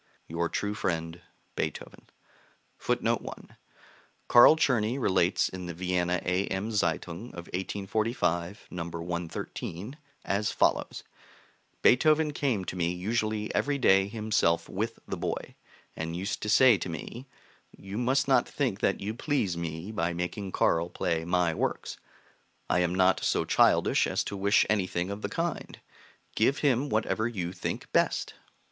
Your true friend, BEETHOVEN. [Footnote 1: Carl Czerny relates in the Vienna A.M. Zeitung of 1845, No. 113, as follows: "Beethoven came to me usually every day himself with the boy, and used to say to me, 'You must not think that you please me by making Carl play my works; I am not so childish as to wish anything of the kind. Give him whatever you think best.'